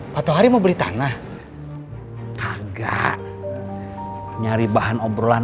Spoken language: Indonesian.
patuh hari mau beli tanah kagak nyari bahan obrolan